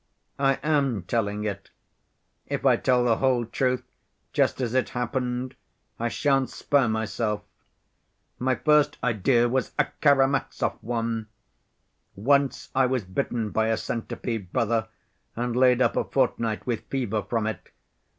"I am telling it. If I tell the whole truth just as it happened I shan't spare myself. My first idea was a—Karamazov one. Once I was bitten by a centipede, brother, and laid up a fortnight with fever from it.